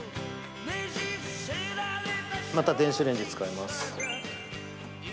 また電子レンジ使います。